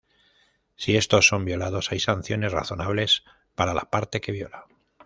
Si estos son violados, hay sanciones razonables para la parte que viola.